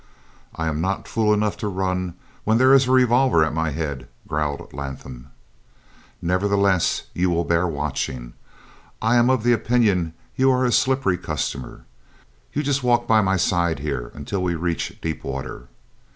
"I am not fool enough to run when there is a revolver at my head," growled Latham. "Nevertheless you will bear watching. I am of the opinion you are a slippery customer. You just walk by my side here until we reach deep water."